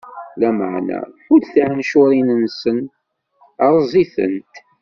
Lameɛna hudd tiɛencuṛin-nsen, rreẓ-itent.